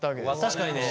確かにね。